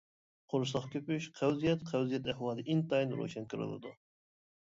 قورساق كۆپۈش، قەۋزىيەت: قەۋزىيەت ئەھۋالى ئىنتايىن روشەن كۆرۈلىدۇ.